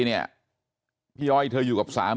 พี่อ้อยเธออยู่กับสามี